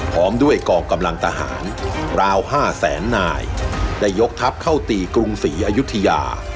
พร้อมด้วยกองกำลังทหารราว๕แสนนายได้ยกทัพเข้าตีกรุงศรีอยุธยา